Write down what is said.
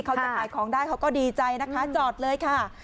เขาจะขายของได้เขาก็ดีใจนะคะจอดเลยค่ะ